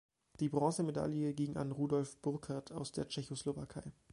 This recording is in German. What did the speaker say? Die Bronzemedaille ging an Rudolf Burkert aus der Tschechoslowakei.